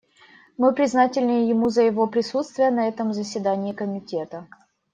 Мы признательны ему за его присутствие на этом заседании Комитета.